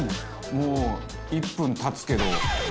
「もう１分経つけど」